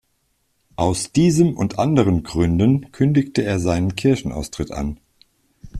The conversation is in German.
Aus diesem und anderen Gründen kündigte er seinen Kirchenaustritt an.